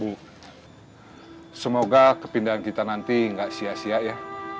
bu semoga kepindahan kita nanti gak sia sia ya